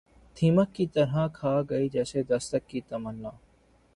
دیمک کی طرح کھا گئی جسے دستک کی تمنا